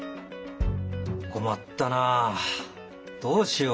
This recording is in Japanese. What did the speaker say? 困ったなあどうしよう？